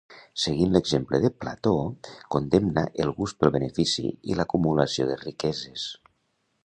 Seguint l'exemple de Plató, condemna el gust pel benefici i l'acumulació de riqueses.